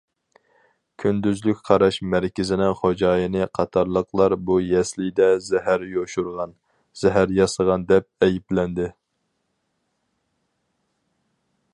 كۈندۈزلۈك قاراش مەركىزىنىڭ خوجايىنى قاتارلىقلار بۇ يەسلىدە زەھەر يوشۇرغان، زەھەر ياسىغان دەپ ئەيىبلەندى.